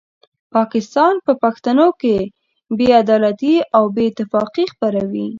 پاکستان په پښتنو کې بې عدالتي او بې اتفاقي خپروي.